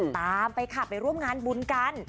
ตามไปค่ะไปร่วมงานบุญกัน